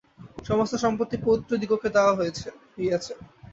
সমস্ত সম্পত্তি পৌত্রদিগকে দেওয়া হইয়াছে।